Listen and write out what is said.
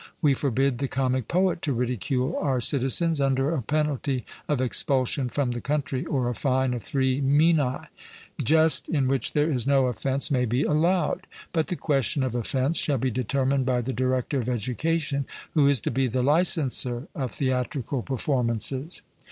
We forbid the comic poet to ridicule our citizens, under a penalty of expulsion from the country or a fine of three minae. Jest in which there is no offence may be allowed; but the question of offence shall be determined by the director of education, who is to be the licenser of theatrical performances.